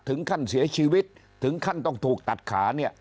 ถึงขั้นเสียชีวิตถึงขั้นต้องถูกตัดขาเนี่ย